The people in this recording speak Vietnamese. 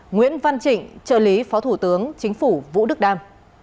nguyễn văn trịnh trợ lý phó thủ tướng chính phủ vũ đức đam